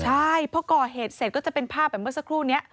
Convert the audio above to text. ใช่เพราะก่อเหตุเสร็จก็จะเป็นภาพแบบเมื่อสักครู่นี้